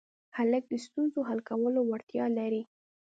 هلک د ستونزو حل کولو وړتیا لري.